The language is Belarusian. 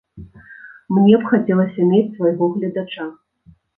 Мне б хацелася мець свайго гледача.